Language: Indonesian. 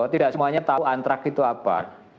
tidak semuanya tahu antrak itu apa